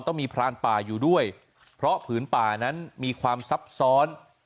ต้องมีพรานป่าอยู่ด้วยเพราะผืนป่านั้นมีความซับซ้อน